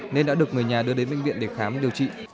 nên đã được người nhà đưa đến bệnh viện để khám điều trị